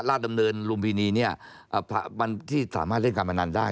ดำเนินลุมพินีเนี่ยวันที่สามารถเล่นการพนันได้